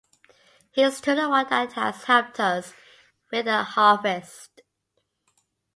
Here's to the one that has helped us with the harvest.